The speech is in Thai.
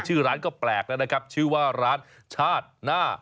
ชื่อร้านก็แปลกแล้วนะครับชื่อว่าร้านชาติหน้า